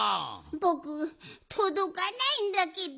ぼくとどかないんだけど。